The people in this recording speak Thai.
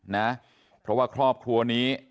นะเพราะว่าครอบครัวนี้